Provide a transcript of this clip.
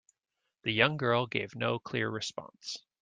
The young girl gave no clear response.